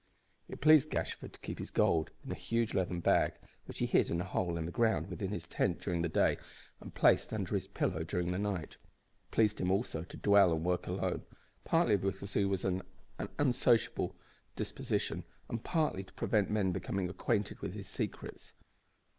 It pleased Gashford to keep his gold in a huge leathern bag, which he hid in a hole in the ground within his tent during the day, and placed under his pillow during the night. It pleased him also to dwell and work alone, partly because he was of an unsociable disposition, and partly to prevent men becoming acquainted with his secrets.